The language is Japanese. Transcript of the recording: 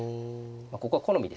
ここは好みですね。